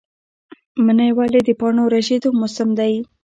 منی ولې د پاڼو ریژیدو موسم دی؟